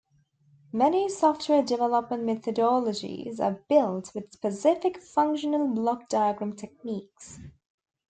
Many software development methodologies are built with specific functional block diagram techniques.